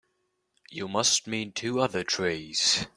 You must mean two other trees.